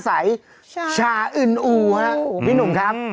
ใสชาอื่นอู่ฮะพี่หนุ่มครับ